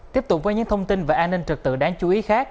tiếp tục với những thông tin về an ninh trực tự đáng chú ý khác